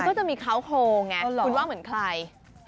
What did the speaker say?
มันก็จะมีเคราะห์โครงไงคุณว่าเหมือนใคร